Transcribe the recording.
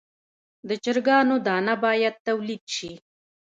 د چرګانو دانه باید تولید شي.